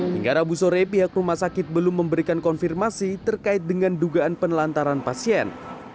hingga rabu sore pihak rumah sakit belum memberikan konfirmasi terkait dengan dugaan penelantaran pasien